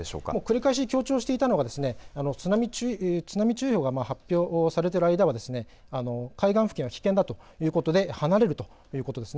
繰り返し強調していたのが津波注意報が発表されている間は海岸付近は危険だということで離れるということです。